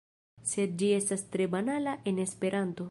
Sed ĝi estas tre banala en Esperanto.